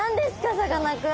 さかなクン。